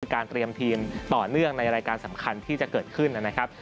การเตรียมทีมต่อเนื่องในรายการสำคัญที่จะเกิดขึ้นนะครับ